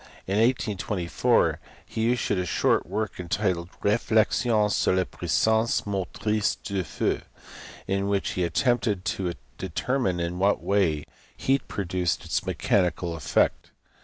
In 1824 he issued a short work entitled Reflexions sur la puissance motrice dufeu in which he attempted to determine in what way heat produced its mechanical effect.